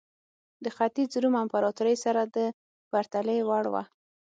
د ختیځ روم امپراتورۍ سره د پرتلې وړ وه.